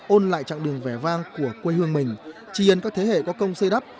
ôn lại trạng đường vẻ vang của quê hương mình triền các thế hệ có công xây đắp